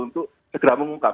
untuk segera mengungkap